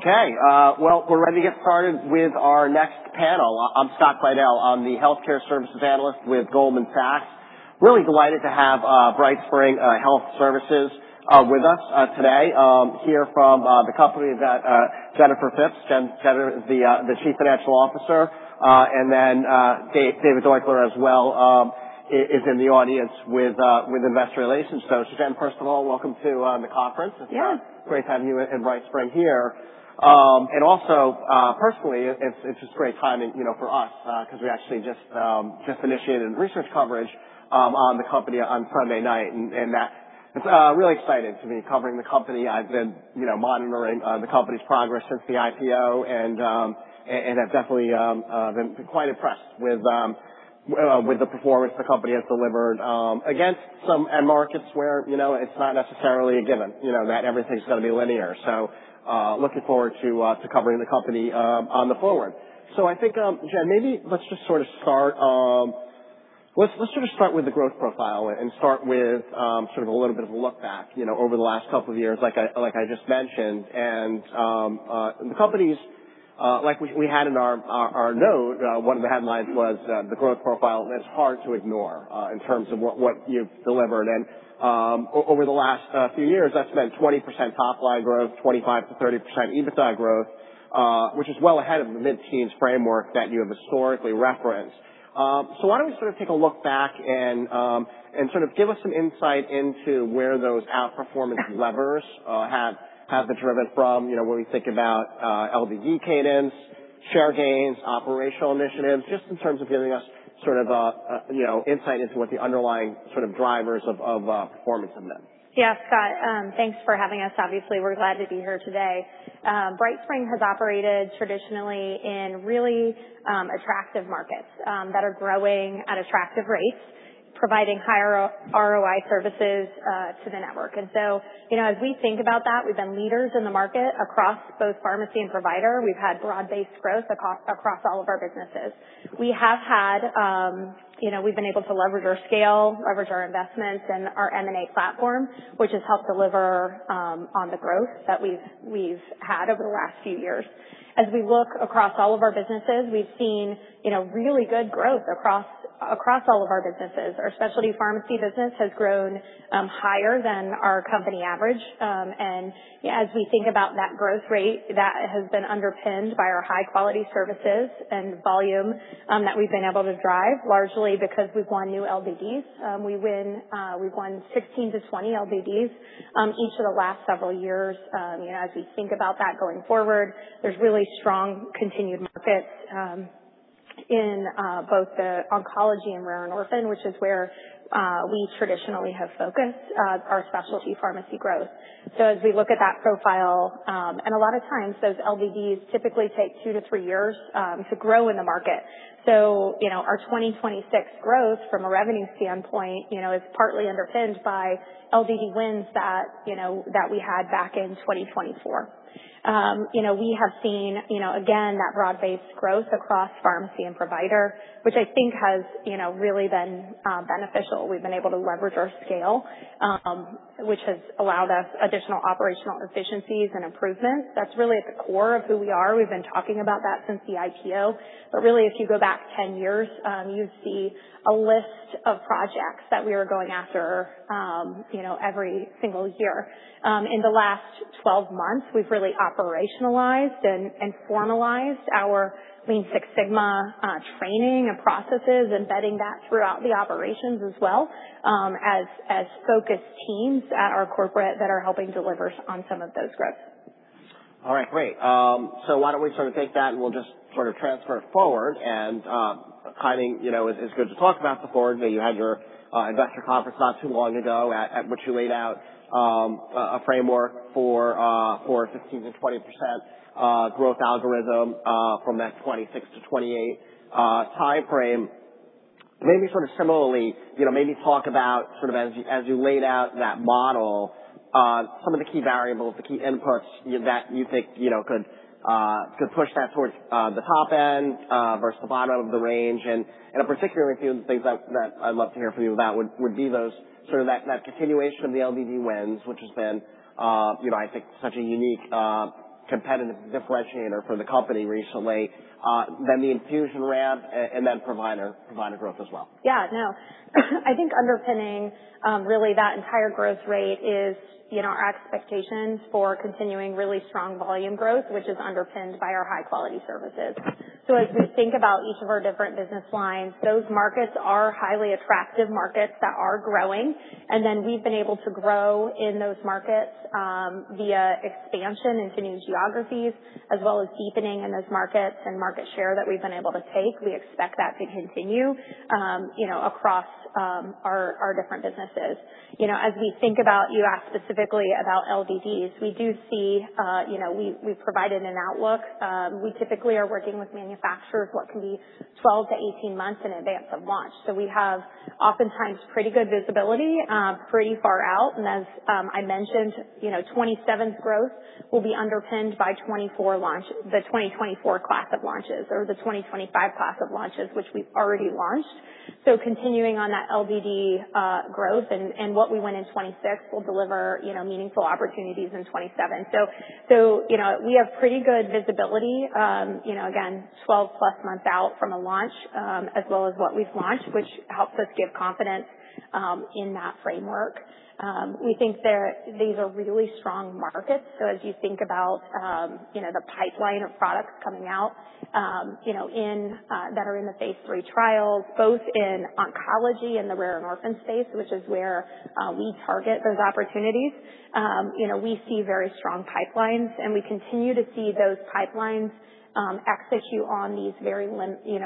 W`ell, we're ready to get started with our next panel. I'm Scott Fidel. I'm the Healthcare Services Analyst with Goldman Sachs. Really delighted to have BrightSpring Health Services with us today, hear from the company that Jennifer Phipps, Jen is the Chief Financial Officer, and then David Deuchler as well is in the audience with investor relations. Jen, first of all, welcome to the conference. Yeah. It's great to have you and BrightSpring here. Also, personally, it's just great timing for us, because we actually just initiated research coverage on the company on Friday night, and that is really exciting to be covering the company. I've been monitoring the company's progress since the IPO, and have definitely been quite impressed with the performance the company has delivered against some end markets where it's not necessarily a given that everything's going to be linear. Looking forward to covering the company on the forward. I think, Jen, maybe let's just sort of start with the growth profile and start with sort of a little bit of a look back over the last couple of years, like I just mentioned. The companies, like we had in our note, one of the headlines was the growth profile that's hard to ignore in terms of what you've delivered. Over the last few years, it's been 20% top-line growth, 25%-30% EBITDA growth, which is well ahead of the mid-teens framework that you have historically referenced. Why don't we take a look back and give us some insight into where those outperformance levers have been driven from, when we think about, LDD cadence, share gains, operational initiatives, just in terms of giving us insight into what the underlying drivers of performance have been. Scott, thanks for having us. Obviously, we're glad to be here today. BrightSpring has operated traditionally in really attractive markets that are growing at attractive rates, providing higher ROI services to the network. As we think about that, we've been leaders in the market across both pharmacy and provider. We've had broad-based growth across all of our businesses. We've been able to leverage our scale, leverage our investments and our M&A platform, which has helped deliver on the growth that we've had over the last few years. As we look across all of our businesses, we've seen really good growth across all of our businesses. Our specialty pharmacy business has grown higher than our company average. As we think about that growth rate, that has been underpinned by our high-quality services and volume that we've been able to drive, largely because we've won new LDDs. We've won 16-20 LDDs each of the last several years. As we think about that going forward, there's really strong continued markets in both the oncology and rare and orphan, which is where we traditionally have focused our specialty pharmacy growth. As we look at that profile, and a lot of times, those LDDs typically take two to three years to grow in the market. Our 2026 growth from a revenue standpoint is partly underpinned by LDD wins that we had back in 2024. We have seen, again, that broad-based growth across pharmacy and provider, which I think has really been beneficial. We've been able to leverage our scale, which has allowed us additional operational efficiencies and improvements. That's really at the core of who we are. We've been talking about that since the IPO. Really, if you go back 10 years, you see a list of projects that we are going after every single year. In the last 12 months, we've really operationalized and formalized our Lean Six Sigma training and processes, embedding that throughout the operations as well as focused teams at our corporate that are helping deliver on some of those growth. All right, great. Why don't we take that, and we'll just transfer it forward and timing is good to talk about the forward. You had your investor conference not too long ago at which you laid out a framework for 15%-20% growth algorithm from that 2026-2028 timeframe. Maybe sort of similarly, maybe talk about as you laid out that model, some of the key variables, the key inputs that you think could push that towards the top end versus the bottom of the range. In particular, a few of the things that I'd love to hear from you about would be those sort of that continuation of the LDD wins, which has been, I think, such a unique competitive differentiator for the company recently. Then the infusion ramp and then provider growth as well. Yeah, no. I think underpinning really that entire growth rate is our expectations for continuing really strong volume growth, which is underpinned by our high-quality services. As we think about each of our different business lines, those markets are highly attractive markets that are growing. We've been able to grow in those markets via expansion into new geographies as well as deepening in those markets and market share that we've been able to take. We expect that to continue across our different businesses. As we think about, you asked specifically about LDDs, we've provided an outlook. We typically are working with manufacturers what can be 12-18 months in advance of launch. We have oftentimes pretty good visibility, pretty far out. As I mentioned, 2027's growth will be underpinned by the 2024 class of launches or the 2025 class of launches, which we've already launched. Continuing on that LDD growth and what we won in 2026 will deliver meaningful opportunities in 2027. We have pretty good visibility, again, 12+ months out from a launch, as well as what we've launched, which helps us give confidence in that framework. We think these are really strong markets. As you think about the pipeline of products coming out that are in the phase III trials, both in oncology and the rare and orphan space, which is where we target those opportunities. We see very strong pipelines, and we continue to see those pipelines execute on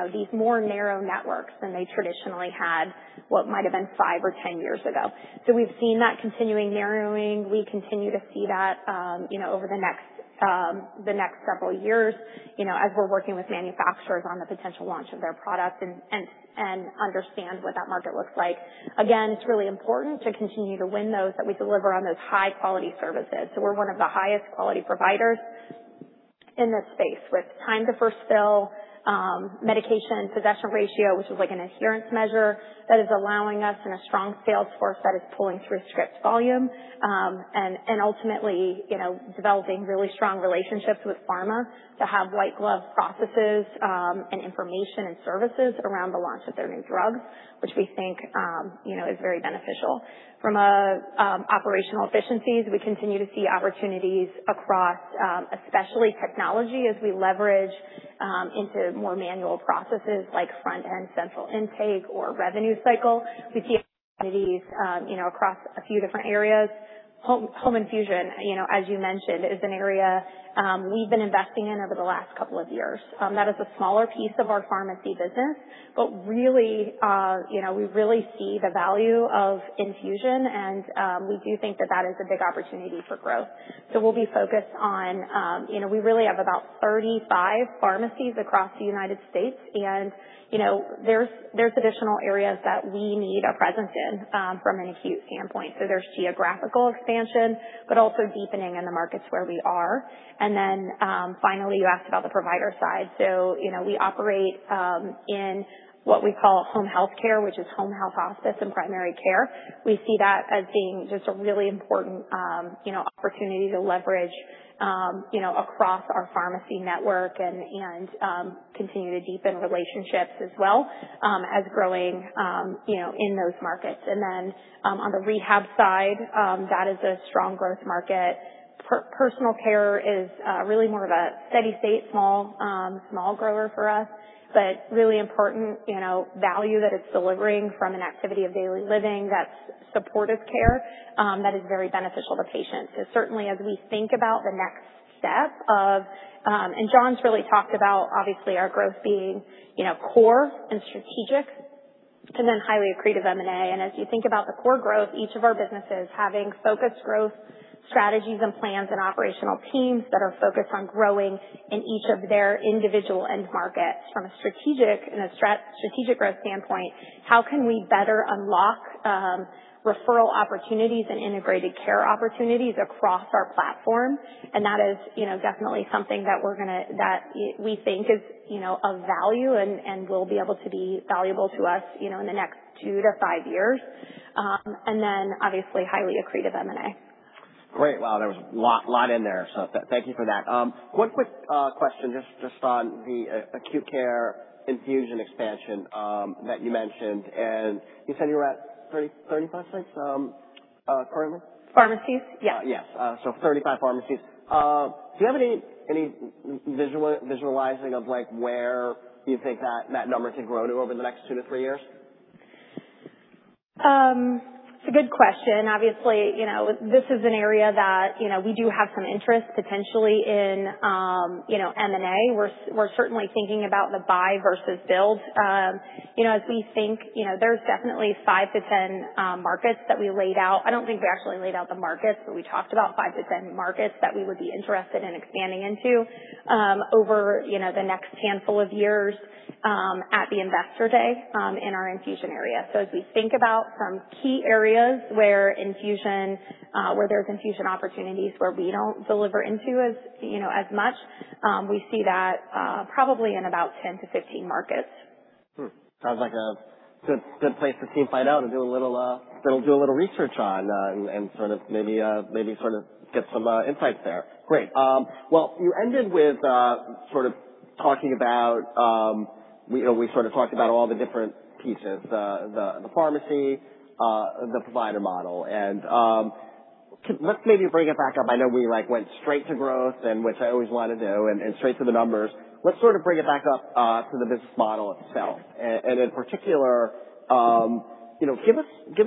these more narrow networks than they traditionally had, what might've been five or 10 years ago. We've seen that continuing narrowing. We continue to see that over the next several years, as we're working with manufacturers on the potential launch of their products and understand what that market looks like. Again, it's really important to continue to win those that we deliver on those high-quality services. We're one of the highest quality providers in this space with time to first fill, medication possession ratio, which is like an adherence measure that is allowing us and a strong sales force that is pulling through script volume. Ultimately, developing really strong relationships with pharma to have white glove processes, and information and services around the launch of their new drugs, which we think is very beneficial. From operational efficiencies, we continue to see opportunities across, especially technology as we leverage into more manual processes like front-end central intake or revenue cycle. We see opportunities across a few different areas. Home infusion, as you mentioned, is an area we've been investing in over the last couple of years. That is a smaller piece of our pharmacy business, but we really see the value of infusion and we do think that that is a big opportunity for growth. We'll be focused on, we really have about 35 pharmacies across the U.S. and there's additional areas that we need a presence in from an acute standpoint. There's geographical expansion, but also deepening in the markets where we are. Finally, you asked about the provider side. We operate in what we call home healthcare, which is home health hospice and primary care. We see that as being just a really important opportunity to leverage across our pharmacy network and continue to deepen relationships as well as growing in those markets. On the rehab side, that is a strong growth market. Personal care is really more of a steady state, small grower for us, but really important value that it's delivering from an activity of daily living that's supportive care, that is very beneficial to patients. Certainly, Jon's really talked about obviously our growth being core and strategic and then highly accretive M&A. As you think about the core growth, each of our businesses having focused growth strategies and plans and operational teams that are focused on growing in each of their individual end markets from a strategic growth standpoint. How can we better unlock referral opportunities and integrated care opportunities across our platform? That is definitely something that we think is of value and will be able to be valuable to us in the next two to five years. Then obviously highly accretive M&A. Great. Wow, there was a lot in there, thank you for that. One quick question just on the acute care infusion expansion that you mentioned, and you said you were at 35, 36, currently? Pharmacies? Yeah. Yes. 35 pharmacies. Do you have any visualizing of where you think that number could grow to over the next two to three years? It's a good question. Obviously, this is an area that we do have some interest potentially in M&A. We're certainly thinking about the buy versus build. As we think, there's definitely 5-10 markets that we laid out. I don't think we actually laid out the markets, but we talked about 5-10 markets that we would be interested in expanding into, over the next handful of years, at the Investor Day, in our infusion area. As we think about some key areas where there's infusion opportunities where we don't deliver into as much, we see that probably in about 10-15 markets. Sounds like a good place to team find out and do a little research on, and sort of maybe get some insights there. Great. You ended with sort of talking about. We sort of talked about all the different pieces, the pharmacy, the provider model. Let's maybe bring it back up. I know we went straight to growth and which I always want to do and straight to the numbers. Let's sort of bring it back up to the business model itself and in particular, give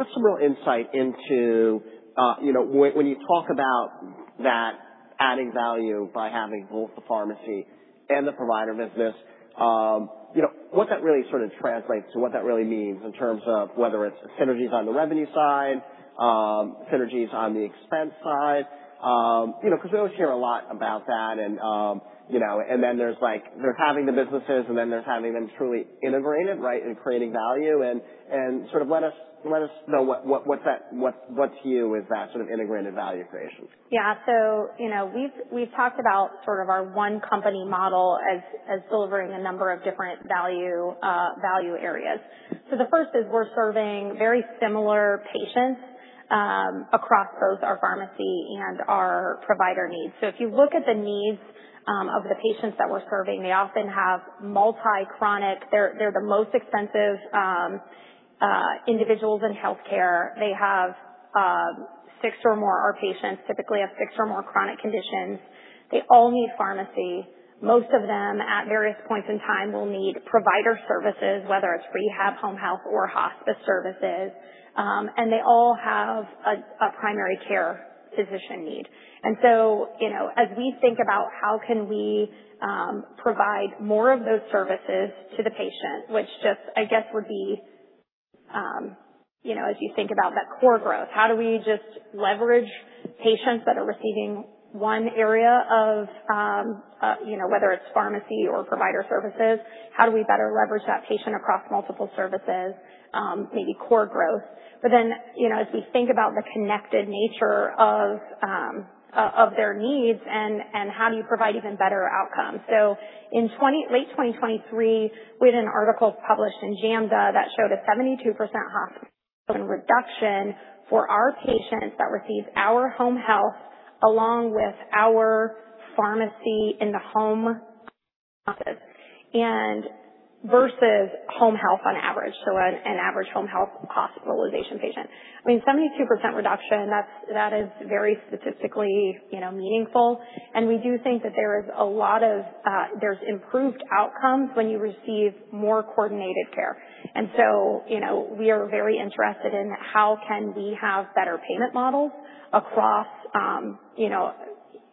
us some real insight into when you talk about that adding value by having both the pharmacy and the provider business. What that really sort of translates to, what that really means in terms of whether it's synergies on the revenue side, synergies on the expense side. We always hear a lot about that, and then there's having the businesses, and then there's having them truly integrated, right, and creating value and sort of let us know what to you is that sort of integrated value creation. Yeah. We've talked about sort of our one company model as delivering a number of different value areas. The first is we're serving very similar patients across both our pharmacy and our provider needs. If you look at the needs of the patients that we're serving, they often have multi-chronic, they're the most expensive individuals in healthcare. Our patients typically have six or more chronic conditions. They all need pharmacy. Most of them, at various points in time, will need provider services, whether it's rehab, home health, or hospice services. They all have a primary care physician need. As we think about how can we provide more of those services to the patient, which just, I guess would be, as you think about that core growth, how do we just leverage patients that are receiving one area of, whether it's pharmacy or provider services, how do we better leverage that patient across multiple services, maybe core growth. As we think about the connected nature of their needs and how do you provide even better outcomes. In late 2023, we had an article published in JAMDA that showed a 72% hospital reduction for our patients that receive our home health along with our pharmacy in the home versus home health on average. An average home health hospitalization patient. I mean, 72% reduction, that is very statistically meaningful. We do think that there's improved outcomes when you receive more coordinated care. We are very interested in how can we have better payment models across,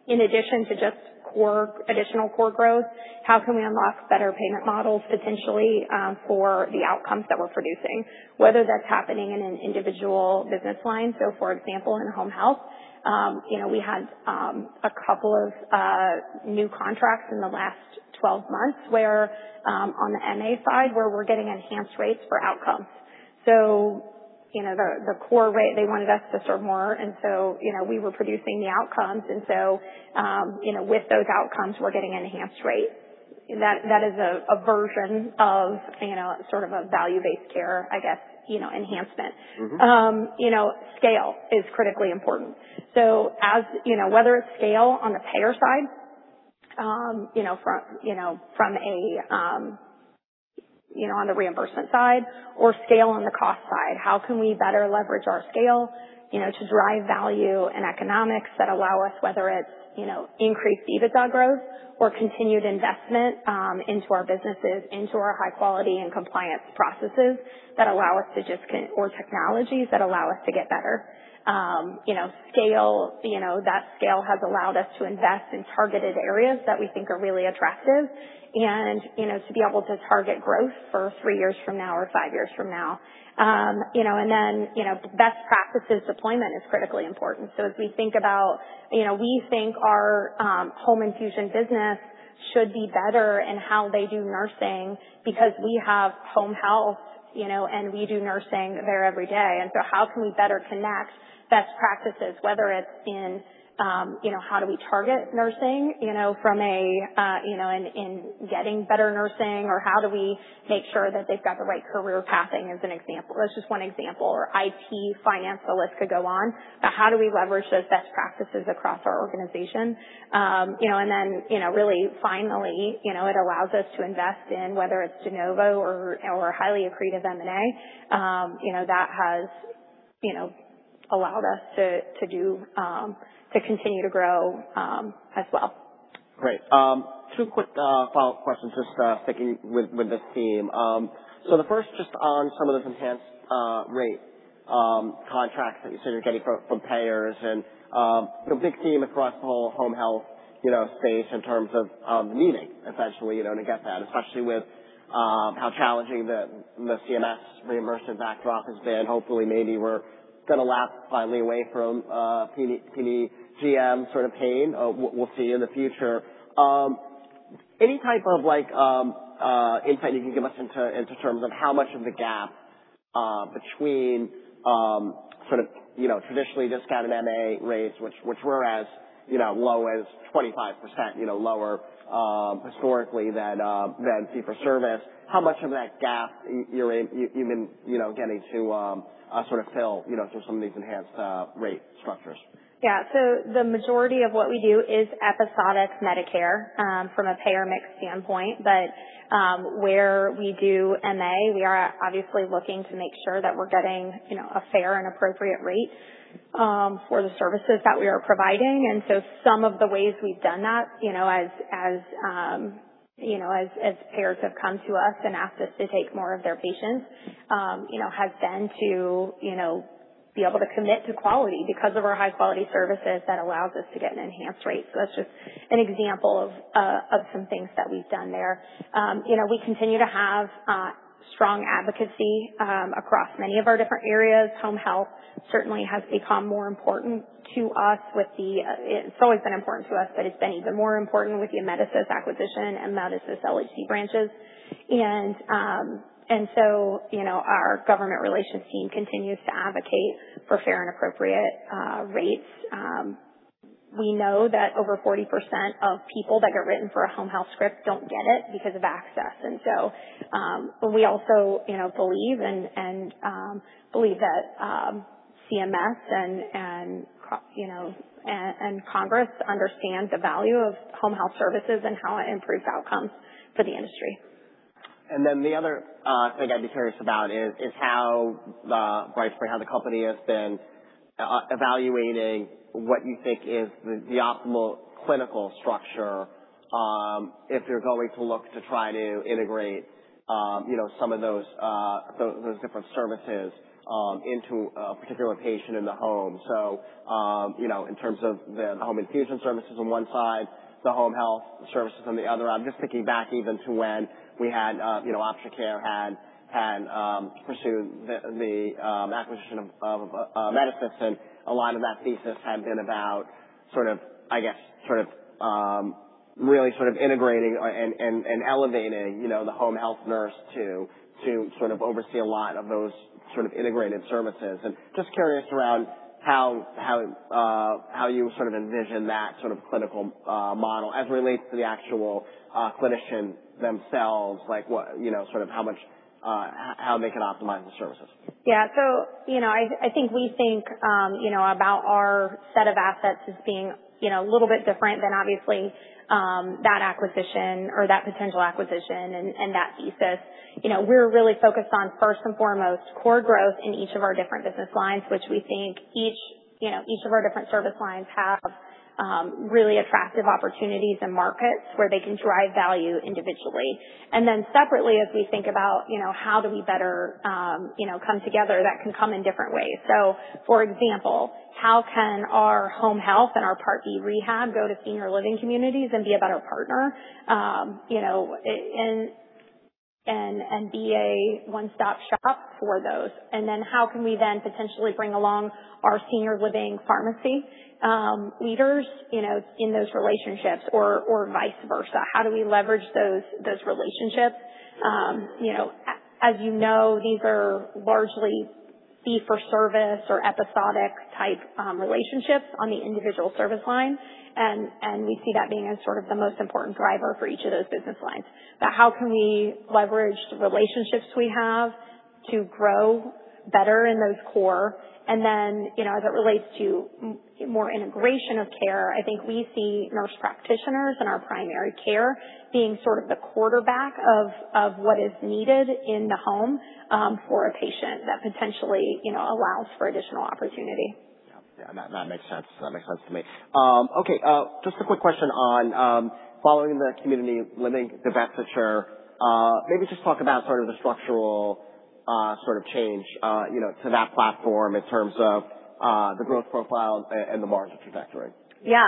in addition to just additional core growth, how can we unlock better payment models, potentially, for the outcomes that we're producing, whether that's happening in an individual business line. For example, in home health, we had a couple of new contracts in the last 12 months where, on the MA side, where we're getting enhanced rates for outcomes. The core rate, they wanted us to serve more, and so we were producing the outcomes, and so with those outcomes, we're getting enhanced rates. That is a version of sort of a value-based care, I guess, enhancement. Scale is critically important. Whether it's scale on the payer side, on the reimbursement side or scale on the cost side, how can we better leverage our scale to drive value and economics that allow us, whether it's increased EBITDA growth or continued investment into our businesses, into our high quality and compliance processes or technologies that allow us to get better. That scale has allowed us to invest in targeted areas that we think are really attractive and to be able to target growth for three years from now or five years from now. Best practices deployment is critically important. As we think about, we think our home infusion business should be better in how they do nursing because we have home health, and we do nursing there every day. How can we better connect best practices, whether it's in how do we target nursing, in getting better nursing or how do we make sure that they've got the right career pathing, as an example. That's just one example. IT, finance, the list could go on. How do we leverage those best practices across our organization? Really finally, it allows us to invest in, whether it's de novo or highly accretive M&A that has allowed us to continue to grow as well. Great. Two quick follow-up questions, just sticking with this theme. The first, just on some of those enhanced rate contracts that you said you're getting from payers and the big theme across the whole home health space in terms of meaning, essentially, to get that, especially with how challenging the CMS reimbursement backdrop has been. Hopefully, maybe we're going to lap finally away from PDGM sort of pain. We'll see in the future. Any type of insight you can give us into terms of how much of a gap between sort of traditionally discounted MA rates, which were as low as 25% lower historically than fee-for-service. How much of that gap you even getting to sort of fill through some of these enhanced rate structures? Yeah. The majority of what we do is episodic Medicare, from a payer mix standpoint. Where we do MA, we are obviously looking to make sure that we're getting a fair and appropriate rate. For the services that we are providing. Some of the ways we've done that, as payers have come to us and asked us to take more of their patients, has been to be able to commit to quality because of our high-quality services that allows us to get an enhanced rate. That's just an example of some things that we've done there. We continue to have strong advocacy, across many of our different areas. Home health certainly has become more important to us with the It's always been important to us, but it's been even more important with the Amedisys acquisition and Amedisys, LHC branches. Our government relations team continues to advocate for fair and appropriate rates. We know that over 40% of people that get written for a home health script don't get it because of access. We also believe that CMS and Congress understand the value of home health services and how it improves outcomes for the industry. The other thing I'd be curious about is how the company has been evaluating what you think is the optimal clinical structure, if you're going to look to try to integrate some of those different services into a particular patient in the home. In terms of the home infusion services on one side, the home health services on the other. I'm just thinking back even to when Opticare had pursued the acquisition of Amedisys, and a lot of that thesis had been about really integrating and elevating the home health nurse to oversee a lot of those integrated services. Just curious around how you envision that clinical model as it relates to the actual clinician themselves, like how they can optimize the services. Yeah. I think we think about our set of assets as being a little bit different than obviously that acquisition or that potential acquisition and that thesis. We're really focused on, first and foremost, core growth in each of our different business lines, which we think each of our different service lines have really attractive opportunities and markets where they can drive value individually. Separately, as we think about how do we better come together, that can come in different ways. For example, how can our home health and our Part B rehab go to senior living communities and be a better partner, and be a one-stop shop for those? How can we then potentially bring along our senior living pharmacy leaders in those relationships or vice versa? How do we leverage those relationships? As you know, these are largely fee-for-service or episodic type relationships on the individual service line, and we see that being as sort of the most important driver for each of those business lines. How can we leverage the relationships we have to grow better in those core? As it relates to more integration of care, I think we see nurse practitioners in our primary care being sort of the quarterback of what is needed in the home, for a patient that potentially allows for additional opportunity. Yeah. That makes sense to me. Okay. Just a quick question on, following the community living divestiture, maybe just talk about the structural change to that platform in terms of the growth profile and the margin trajectory. Yeah.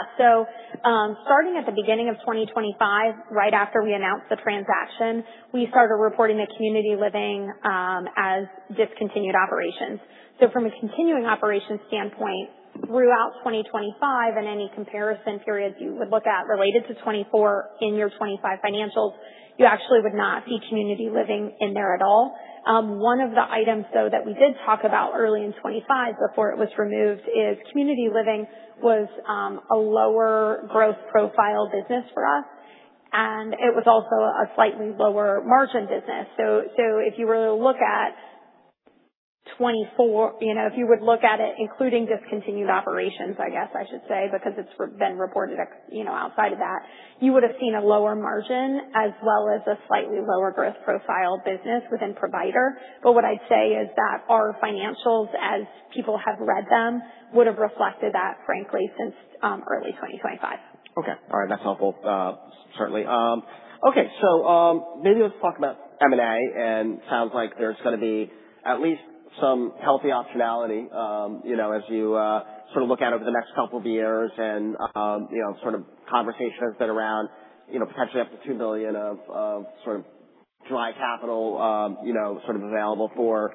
Starting at the beginning of 2025, right after we announced the transaction, we started reporting the community living as discontinued operations. From a continuing operations standpoint, throughout 2025 and any comparison periods you would look at related to 2024 in your 2025 financials, you actually would not see community living in there at all. One of the items, though, that we did talk about early in 2025 before it was removed is community living was a lower growth profile business for us, and it was also a slightly lower margin business. If you were to look at it including discontinued operations, I guess I should say, because it's been reported outside of that, you would've seen a lower margin as well as a slightly lower growth profile business within provider. What I'd say is that our financials, as people have read them, would've reflected that frankly since early 2025. Okay. All right. That's helpful, certainly. Okay. Maybe let's talk about M&A, and sounds like there's going to be at least some healthy optionality as you look out over the next couple of years and conversation has been around potentially up to $2 billion of dry capital available for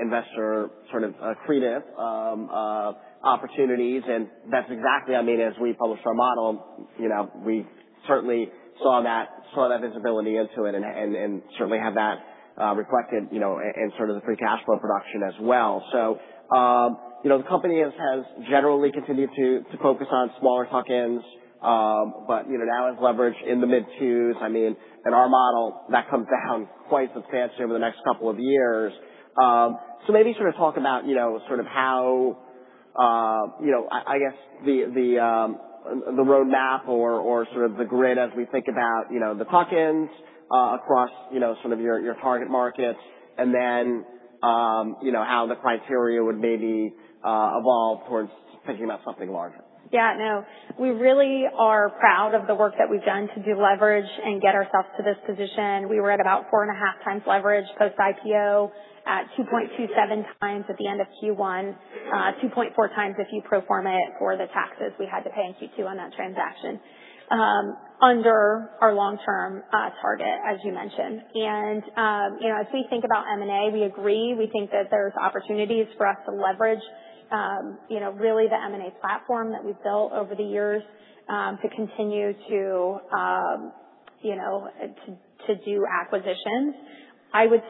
investor accretive opportunities. That's exactly, as we published our model, we certainly saw that visibility into it and certainly have that reflected in the free cash flow production as well. The company has generally continued to focus on smaller tuck-ins, but now has leverage in the mid-twos. In our model, that comes down quite substantially over the next couple of years. Maybe talk about the roadmap or the grid as we think about the tuck-ins across your target markets and then how the criteria would maybe evolve towards thinking about something larger. Yeah, no. We really are proud of the work that we've done to deleverage and get ourselves to this position. We were at about 4.5x leverage post-IPO at 2.27x at the end of Q1, 2.4x if you pro forma it for the taxes we had to pay in Q2 on that transaction, under our long-term target as you mentioned. As we think about M&A, we agree, we think that there's opportunities for us to leverage really the M&A platform that we've built over the years to continue to do acquisitions. I would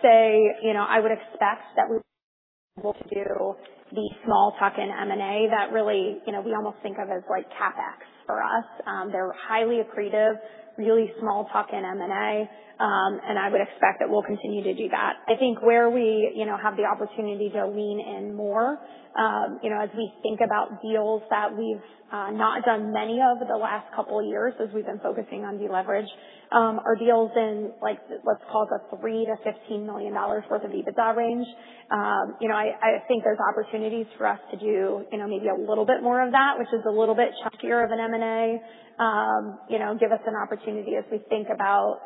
expect that we'll be able to do the small tuck-in M&A that really, we almost think of as CapEx for us. They're highly accretive, really small tuck-in M&A, and I would expect that we'll continue to do that. I think where we have the opportunity to lean in more, as we think about deals that we've not done many of the last couple of years as we've been focusing on deleverage, are deals in, let's call it the $3 million-$15 million worth of EBITDA range. I think there's opportunities for us to do maybe a little bit more of that, which is a little bit chunkier of an M&A. Give us an opportunity as we think about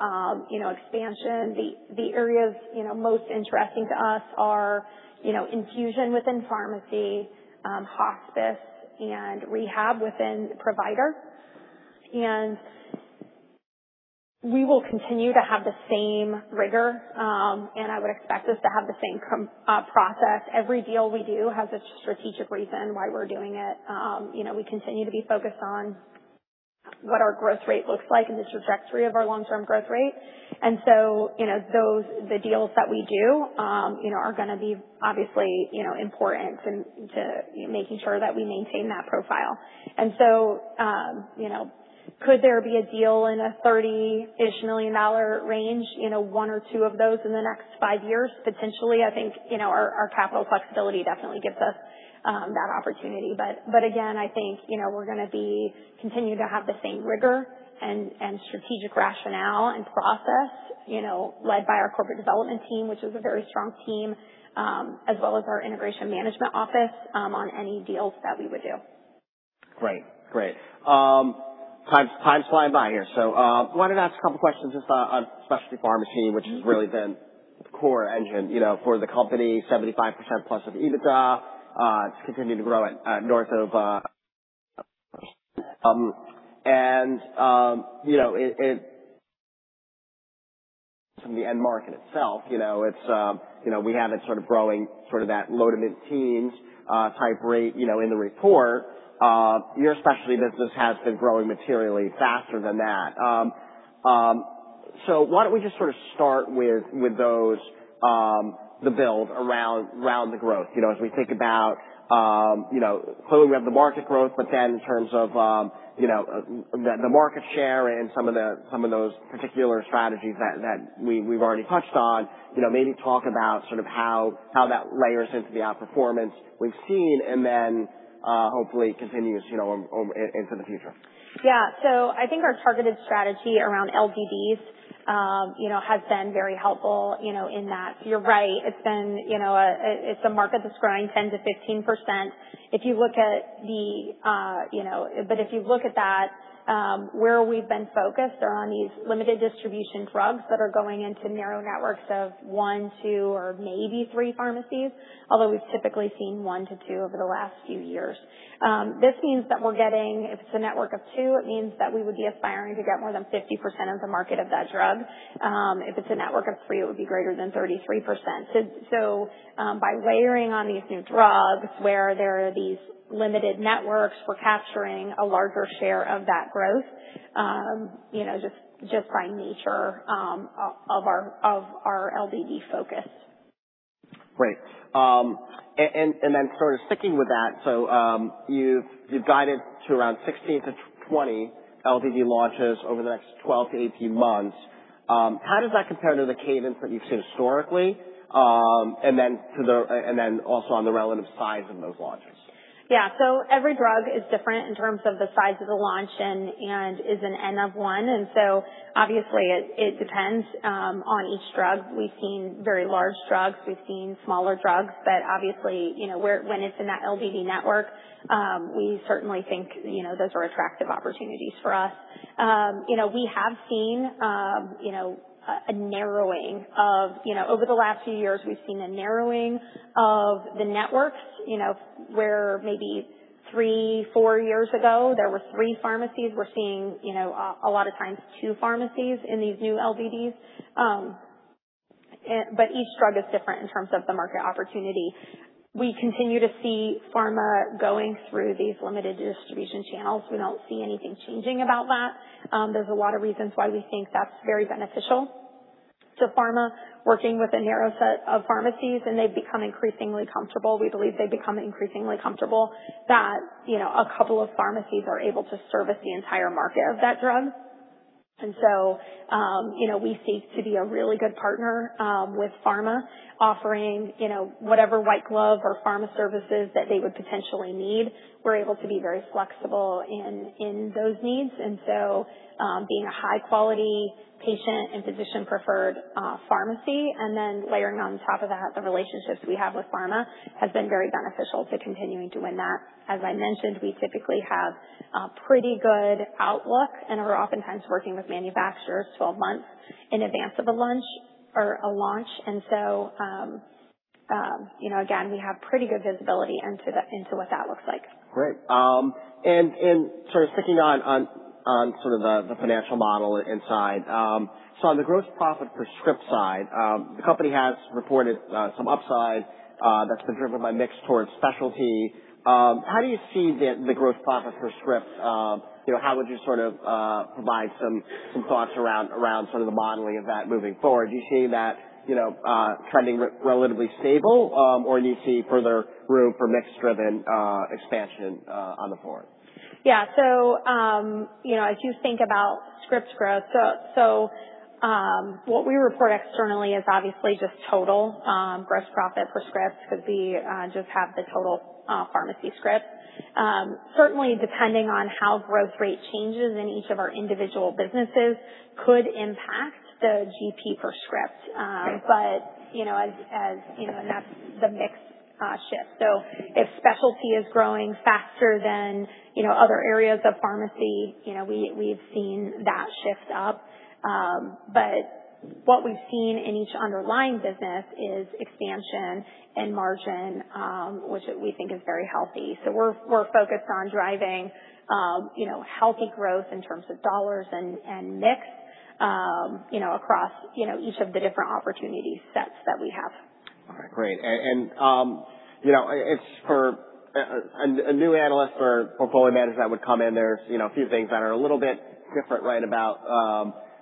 expansion. The areas most interesting to us are infusion within pharmacy, hospice, and rehab within provider. We will continue to have the same rigor, and I would expect us to have the same process. Every deal we do has a strategic reason why we're doing it. We continue to be focused on what our growth rate looks like and the trajectory of our long-term growth rate. The deals that we do are going to be obviously important to making sure that we maintain that profile. Could there be a deal in a $30 million-ish range, one or two of those in the next five years? Potentially. I think our capital flexibility definitely gives us that opportunity. Again, I think we're going to continue to have the same rigor and strategic rationale and process, led by our corporate development team, which is a very strong team, as well as our integration management office, on any deals that we would do. Great. Time's flying by here. Wanted to ask a couple questions just on specialty pharmacy, which has really been the core engine for the company, 75%+ of EBITDA. From the end market itself, we have it sort of growing sort of that low-to-mid teens type rate in the report. Your specialty business has been growing materially faster than that. Why don't we just sort of start with those, the build around the growth. As we think about, clearly we have the market growth, but then in terms of the market share and some of those particular strategies that we've already touched on. Maybe talk about how that layers into the outperformance we've seen and then hopefully continues into the future. Yeah. I think our targeted strategy around LDDs has been very helpful in that. You're right, it's a market that's growing 10%-15%. If you look at that, where we've been focused are on these Limited Distribution Drugs that are going into narrow networks of one, two, or maybe three pharmacies, although we've typically seen one to two over the last few years. This means that we're getting, if it's a network of two, it means that we would be aspiring to get more than 50% of the market of that drug. If it's a network of three, it would be greater than 33%. By layering on these new drugs where there are these limited networks, we're capturing a larger share of that growth, just by nature of our LDD focus. Sticking with that, you've guided to around 16-20 LDD launches over the next 12-18 months. How does that compare to the cadence that you've seen historically, on the relative size of those launches? Every drug is different in terms of the size of the launch and is an N of one, obviously it depends on each drug. We've seen very large drugs. We've seen smaller drugs, obviously, when it's in that LDD network, we certainly think those are attractive opportunities for us. Over the last few years, we've seen a narrowing of the networks. Where maybe three, four years ago, there were three pharmacies, we're seeing, a lot of times, two pharmacies in these new LDDs. Each drug is different in terms of the market opportunity. We continue to see pharma going through these limited distribution channels. We don't see anything changing about that. There's a lot of reasons why we think that's very beneficial to pharma working with a narrow set of pharmacies, and they've become increasingly comfortable. We believe they've become increasingly comfortable that a couple of pharmacies are able to service the entire market of that drug. We seek to be a really good partner with pharma, offering whatever white glove or pharma services that they would potentially need. We're able to be very flexible in those needs. Being a high-quality patient and physician-preferred pharmacy, and then layering on top of that the relationships we have with pharma, has been very beneficial to continuing to win that. As I mentioned, we typically have a pretty good outlook and are oftentimes working with manufacturers 12 months in advance of a launch. We have pretty good visibility into what that looks like. Great. Sticking on the financial model inside. On the gross profit per script side, the company has reported some upside that's been driven by mix towards specialty. How do you see the gross profit per script? How would you provide some thoughts around the modeling of that moving forward? Do you see that trending relatively stable, or do you see further room for mix-driven expansion on the forward? Yeah. As you think about scripts growth, so what we report externally is obviously just total gross profit per script because we just have the total pharmacy script. Certainly, depending on how growth rate changes in each of our individual businesses could impact the GP per script. Right. That's the mix shift. If specialty is growing faster than other areas of pharmacy, we've seen that shift up. What we've seen in each underlying business is expansion and margin, which we think is very healthy. We're focused on driving healthy growth in terms of dollars and mix across each of the different opportunity sets that we have. All right, great. For a new analyst or portfolio manager that would come in there, a few things that are a little bit different about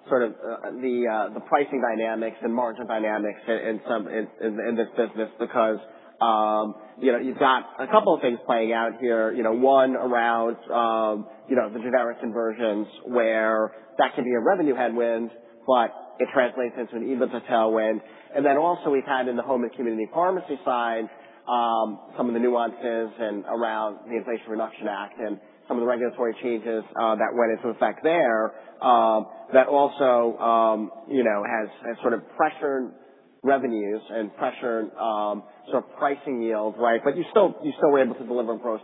the pricing dynamics and margin dynamics in this business because, you've got a couple of things playing out here. One around the generic conversions, where that could be a revenue headwind, but it translates into an EBITDA tailwind. Also we've had in the home and community pharmacy side, some of the nuances and around the Inflation Reduction Act and some of the regulatory changes that went into effect there, that also has pressured revenues and pressured pricing yields, right? You still were able to deliver gross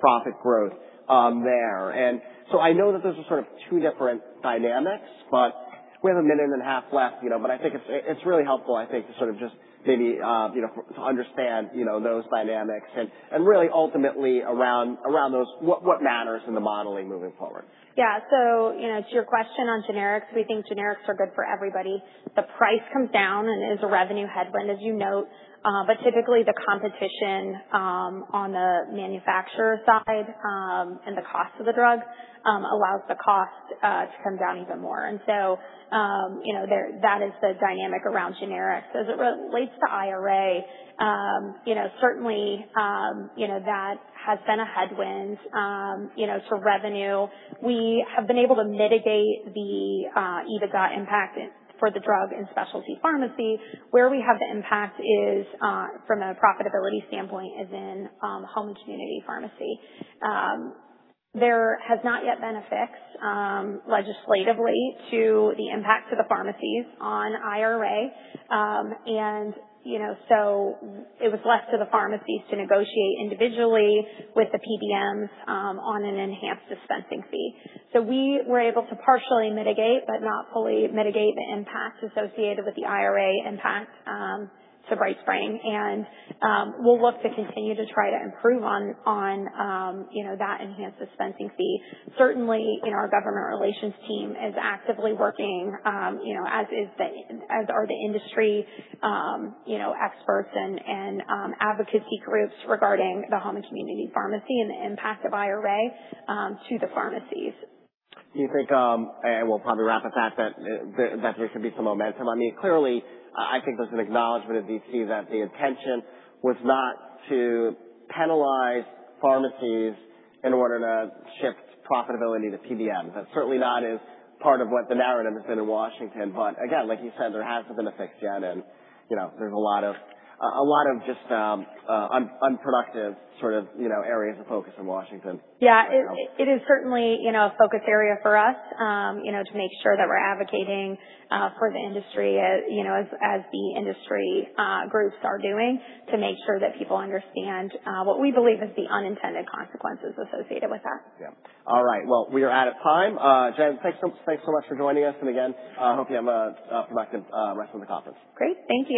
profit growth there. I know that those are two different dynamics, but we have a minute and a half left, but I think it's really helpful, I think to just maybe to understand those dynamics and really ultimately around those, what matters in the modeling moving forward. Yeah. To your question on generics, we think generics are good for everybody. The price comes down and is a revenue headwind, as you note. Typically the competition on the manufacturer side, and the cost of the drug, allows the cost to come down even more. That is the dynamic around generics. As it relates to IRA, certainly, that has been a headwind to revenue. We have been able to mitigate the EBITDA impact for the drug and specialty pharmacy. Where we have the impact from a profitability standpoint is in home community pharmacy. There has not yet been a fix legislatively to the impact to the pharmacies on IRA. It was left to the pharmacies to negotiate individually with the PBMs, on an enhanced dispensing fee. We were able to partially mitigate, but not fully mitigate the impacts associated with the IRA impact to BrightSpring. We'll look to continue to try to improve on that enhanced dispensing fee. Certainly, our government relations team is actively working, as are the industry experts and advocacy groups regarding the home and community pharmacy and the impact of IRA to the pharmacies. Do you think, we'll probably wrap it that, there could be some momentum. Clearly, I think there's an acknowledgement at D.C. that the intention was not to penalize pharmacies in order to shift profitability to PBMs. That's certainly not as part of what the narrative has been in Washington. Again, like you said, there hasn't been a fix yet, and there's a lot of just unproductive areas of focus in Washington. Yeah. It is certainly a focus area for us, to make sure that we're advocating for the industry, as the industry groups are doing, to make sure that people understand what we believe is the unintended consequences associated with that. Yeah. All right. Well, we are out of time. Jen, thanks so much for joining us and again, hope you have a productive rest of the conference. Great. Thank you.